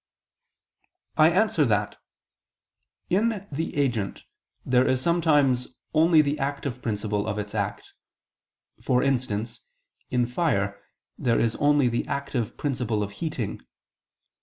I answer that, In the agent there is sometimes only the active principle of its act: for instance in fire there is only the active principle of heating.